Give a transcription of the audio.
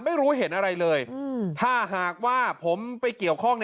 ไม่รู้เห็นอะไรเลยถ้าหากว่าผมไปเกี่ยวข้อง